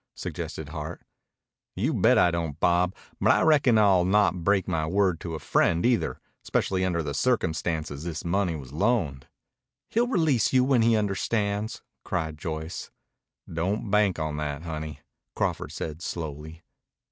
suggested Hart. "You bet I don't, Bob. But I reckon I'll not break my word to a friend either, especially under the circumstances this money was loaned." "He'll release you when he understands," cried Joyce. "Don't bank on that, honey," Crawford said slowly.